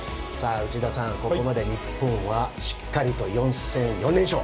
さあ、内田さん、ここまで日本はしっかりと４連勝。